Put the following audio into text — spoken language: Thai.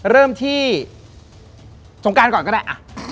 เริ่มที่สงการก่อนก็ได้